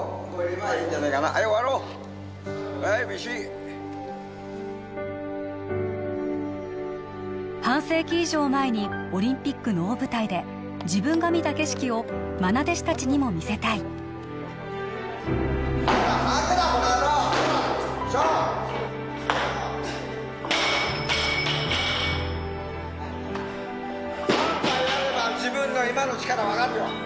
はいメシ半世紀以上前にオリンピックの大舞台で自分が見た景色をまな弟子たちにも見せたいこの野郎そう３回やれば自分の今の力分かるよ